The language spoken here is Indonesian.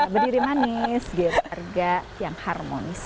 berdiri manis geberga yang harmonis